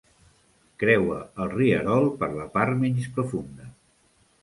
Creua el rierol per la part menys profunda.